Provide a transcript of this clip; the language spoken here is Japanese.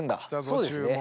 そうですね。